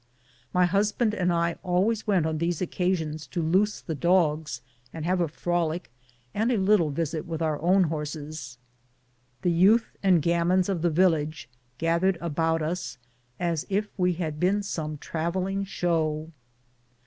My hus band and I always went on these occasions to loose the dogs and have a frolic and a little visit with our own horses. The youth and gamins of the village gathered about us as if we had been some travelling show.